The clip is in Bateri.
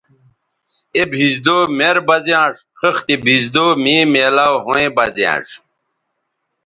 اے بھیزدو مر بہ زیانݜ خِختے بھیزدو مے میلاو ھویں بہ زیانݜ